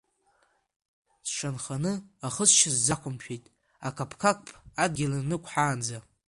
Сшанханы ахысшьа сзақәмшәеит, акаԥкаԥ адгьыл инықәҳаанӡа.